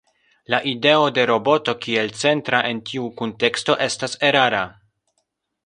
La ideo de roboto kiel centra en tiu kunteksto estas erara.